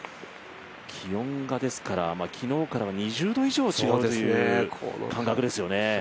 気温が昨日からは２０度以上違うという感覚ですよね。